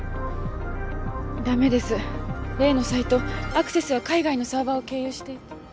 駄目です例のサイトアクセスは海外のサーバーを経由していて。